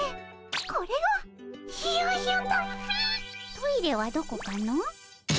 トイレはどこかの？